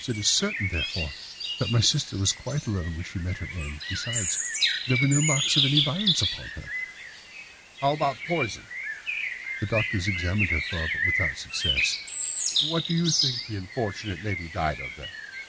It is certain, therefore, that my sister was quite alone when she met her end. Besides, there were no marks of any violence upon her." "How about poison?" "The doctors examined her for it, but without success." "What do you think that this unfortunate lady died of, then?"